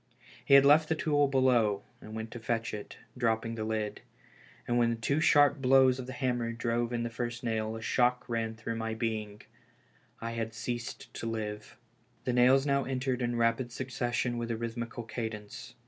He had left the tool below, and went to fetch it, dropping the lid ; and when two sharp blows of the hammer drove in the first nail, a shock ran through my being — I had ceased to live. The nails now entered in rapid succession with a rhythmical cadence.